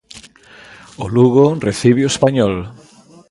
O Lugo recibe o Español.